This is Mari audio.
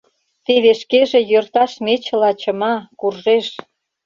Теве шкеже йӧрташ мечыла чыма, куржеш…